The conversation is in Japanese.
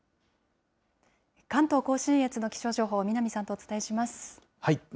関東甲信越の気象情報、南さんとお伝えします。